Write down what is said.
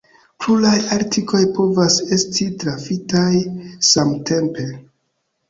Pluraj artikoj povas esti trafitaj samtempe.